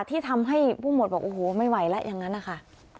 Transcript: ที่ทำให้ผู้หมดบอกโอ้โหไม่ไหวแล้วอย่างนั้นนะคะ